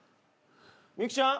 ミユキちゃん